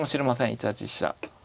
１八飛車。